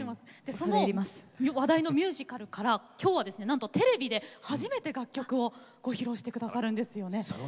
その話題のミュージカルから今日はなんとテレビで初めて楽曲をご披露してくださるんですよね。